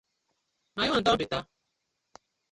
My own don better.